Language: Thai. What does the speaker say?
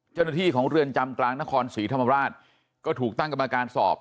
เจ้าหน้าที่ของเรือนจำกลางนครศรีธรรมราชก็ถูกตั้งกรรมการสอบ